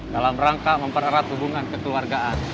dalam rangka mempererat hubungan kekeluargaan